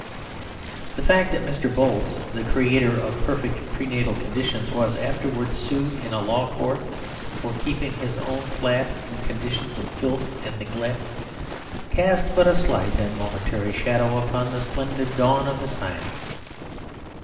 The fact that Mr. Bolce, the creator of perfect pre natal conditions, was afterwards sued in a law court for keeping his own flat in conditions of filth and neglect, cast but a slight and momentary shadow upon the splendid dawn of the science.